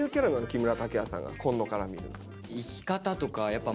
木村拓哉さんは今野から見ると。